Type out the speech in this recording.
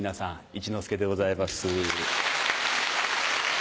一之輔でございます。